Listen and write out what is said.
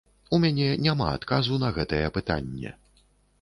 У мяне няма адказу на гэтае пытанне.